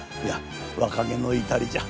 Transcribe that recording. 若気のいたりじゃ。